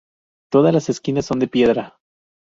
Todas las esquinas son de piedra.